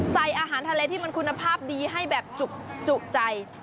ใส่อาหารทะเลที่มันคุณภาพดีให้แบบจุใจ